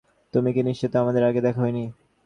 তুমি কি নিশ্চিত আমাদের আগে দেখা হয়নি?